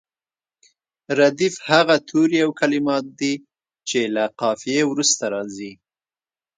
ردیف هغه توري او کلمات دي چې له قافیې وروسته راځي.